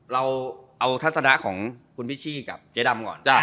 เราเอาทัศนะของคุณพิชชี่กับเจ๊ดำก่อน